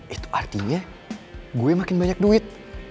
itu artinya gue makin banyak duit